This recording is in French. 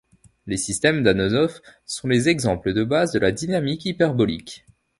Les systèmes d'Anosov sont les exemples de base de la dynamique hyperbolique.